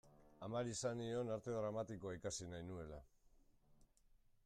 Amari esan nion Arte Dramatikoa ikasi nahi nuela.